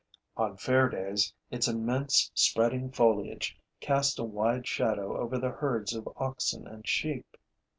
On fair days, its immense, spreading foliage cast a wide shadow over the herds of oxen and sheep.